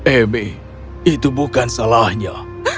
emi itu bukan salahnya